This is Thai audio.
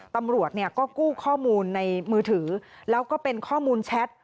ตำรวจเนี่ยก็กู้ข้อมูลในมือถือแล้วก็เป็นข้อมูลแชท